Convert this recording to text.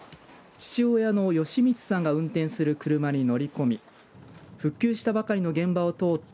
父親のよしみつさんが運転する車に乗り込み復旧したばかりの現場を通って